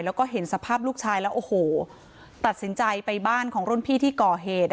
แล้วก็เห็นสภาพลูกชายแล้วโอ้โหตัดสินใจไปบ้านของรุ่นพี่ที่ก่อเหตุ